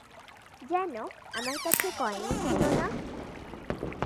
যেন, আমার কাছে কয়েনই ছিল না।